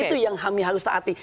itu yang kami harus taati